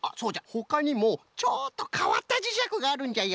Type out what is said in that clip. ほかにもちょっとかわったじしゃくがあるんじゃよ。